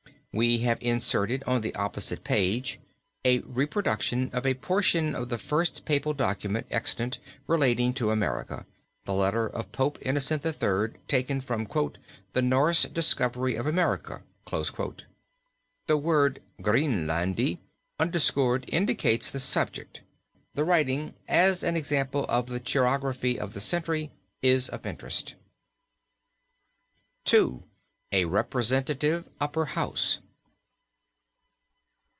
We have inserted on the opposite page a reproduction of a portion of the first Papal document extant relating to America, the letter of Pope Innocent III., taken from "The Norse Discovery of America" (The Norraena Society, N. Y., 1908). The word Grenelandie, underscored, indicates the subject. The writing as an example of the chirography of the century is of interest. II. A REPRESENTATIVE UPPER HOUSE.